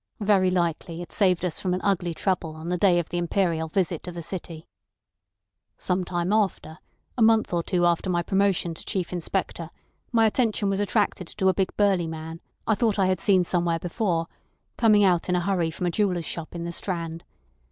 Very likely it saved us from an ugly trouble on the day of the Imperial visit to the City. "Some time later, a month or so after my promotion to Chief Inspector, my attention was attracted to a big burly man, I thought I had seen somewhere before, coming out in a hurry from a jeweller's shop in the Strand.